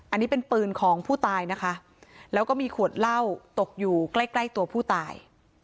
อันนี้เป็นปืนของผู้ตายนะคะแล้วก็มีขวดเหล้าตกอยู่ใกล้ใกล้ตัวผู้ตาย